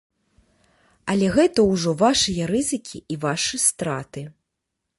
Але гэта ўжо вашыя рызыкі і вашы страты.